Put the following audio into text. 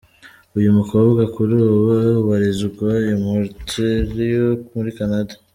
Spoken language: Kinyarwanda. Uyu mukobwa kuri ubu ubarizwa i Montreal muri Canada.